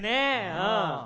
うん。